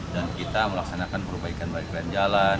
dan kita melaksanakan perbaikan perbaikan jalan